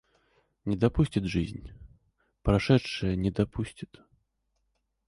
Не допустит жизнь, прошедшее не допустит.